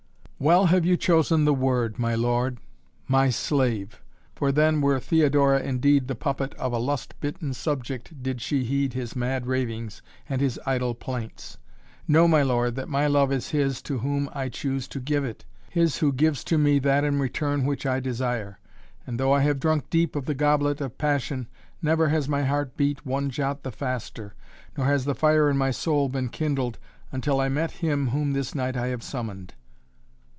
"Well have you chosen the word, my lord my slave! For then were Theodora indeed the puppet of a lust bitten subject did she heed his mad ravings and his idle plaints. Know, my lord, that my love is his to whom I choose to give it, his who gives to me that in return which I desire. And though I have drunk deep of the goblet of passion, never has my heart beat one jot the faster, nor has the fire in my soul been kindled until I met him whom this night I have summoned."